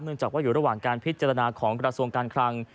จากว่าอยู่ระหว่างการพิจารณาของกระทรวงการคลัง